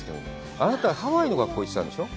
あなた、ハワイの学校に行ってたんでしょう？